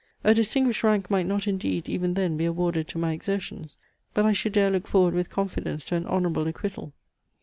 A distinguished rank might not indeed, even then, be awarded to my exertions; but I should dare look forward with confidence to an honourable acquittal.